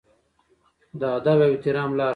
د ادب او احترام لاره.